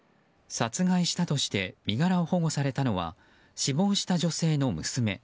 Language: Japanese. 殺害したとして身柄を保護されたのは死亡した女性の娘。